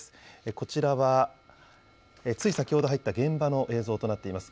こちらはつい先ほど入った現場の映像となっています。